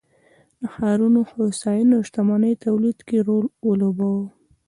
د ښارونو هوساینې او شتمنۍ تولید کې یې رول ولوباوه